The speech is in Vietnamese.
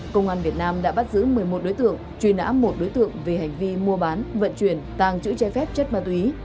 công an việt nam đã bắt giữ một mươi một đối tượng truy nã một đối tượng về hành vi mua bán vận chuyển tàng chữ trái phép chất ma túy